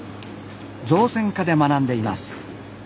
造船科で学んでいます